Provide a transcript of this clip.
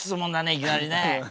いきなりね。